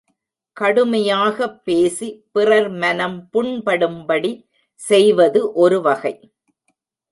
கடுமையாகப் பேசி பிறர் மனம் புண்படும்படி செய்வது ஒரு வகை.